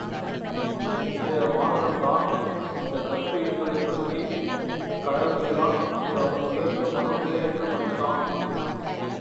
இந்தமானுடன் தான் இந்தக் கற்பு என்பதைப் பற்றிக் கழறுகின்றான் அது அவன் உயர்ந்த மனோ நிலை என்று மதித்தான்.